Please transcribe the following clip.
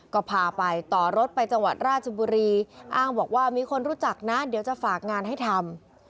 ก็พาไปต่อรถไปจังหวัดราชบุรีอ้างบอกว่ามีคนรู้จักนะเดี๋ยวจะฝากงานให้ทำ